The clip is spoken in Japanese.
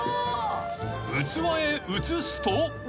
［器へと移すと］